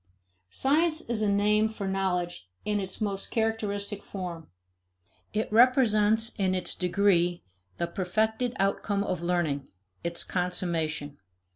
Science is a name for knowledge in its most characteristic form. It represents in its degree, the perfected outcome of learning, its consummation.